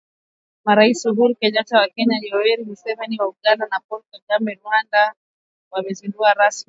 Marais Uhuru Kenyata wa Kenya, Yoweri Museveni wa Uganda, na Paul Kagame wa Rwanda Ijumaa wamezindua ramani iliyopanuliwa ya Jumuiya ya Afrika Mashariki